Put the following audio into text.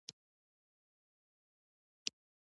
د اوسپنې کانونه استخراج غواړي